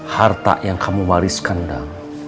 harta yang kamu wariskan dah